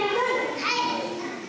はい！